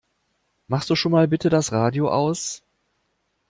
Machst du schon mal bitte das Radio aus?